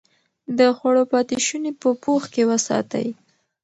د خوړو پاتې شوني په پوښ کې وساتئ.